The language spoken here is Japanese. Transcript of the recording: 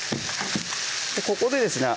ここでですね